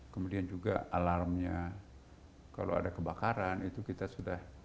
kemudian juga alarmnya kalau ada kebakaran itu kita sudah